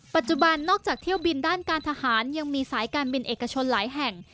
ปัจจุบันนอกจากเที่ยวบินด้านการทหารยังมีสายการบินเอกชนหลายแห่ง